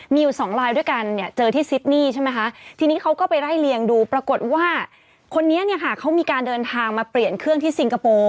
มีอยู่สองลายด้วยกันเนี่ยเจอที่ซิดนี่ใช่ไหมคะทีนี้เขาก็ไปไล่เลียงดูปรากฏว่าคนนี้เนี่ยค่ะเขามีการเดินทางมาเปลี่ยนเครื่องที่ซิงคโปร์